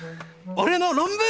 俺の論文！